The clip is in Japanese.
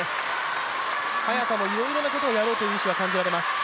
早田もいろいろなことをやろうという意思は見られます。